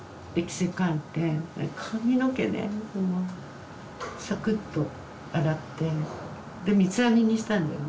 髪の毛ねさくっと洗ってで三つ編みにしたんだよね。